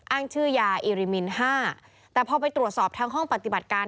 อ้างชื่อยาอิริมินห้าแต่พอไปตรวจสอบทางห้องปฏิบัติการ